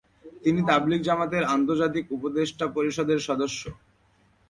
তিনি তাবলীগ জামাতের আন্তর্জাতিক উপদেষ্টা পরিষদের সদস্য।